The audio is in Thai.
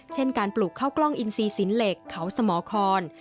เช่นการปลูกข้าวกล้องอินซีสินเหล็กเขาสมคร